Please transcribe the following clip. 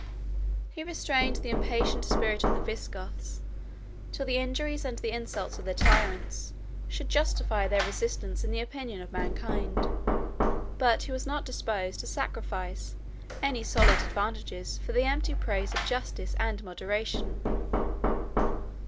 He restrained the impatient spirit of the Visigoths till the injuries and the insults of their tyrants should justify their resistance in the opinion of mankind: but he was not disposed to sacrifice any solid advantages for the empty praise of justice and moderation.